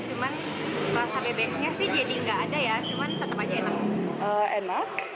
cuman rasa bebeknya sih jadi nggak ada ya cuman tetap aja enak